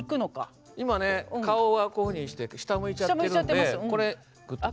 今ね顔はこういうふうにして下を向いちゃってるんでこれぐっと握る。